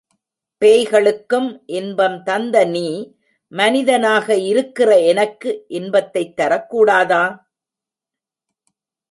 பேய்களுக்கும் இன்பம் தந்த நீ, மனிதனாக இருக்கிற எனக்கு இன்பத்தைத் தரக் கூடாதா?